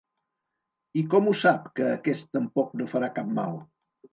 I com ho sap, que aquest tampoc no farà cap mal?